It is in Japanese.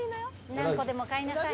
何個でも買いなさい。